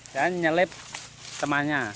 dan nyelip temannya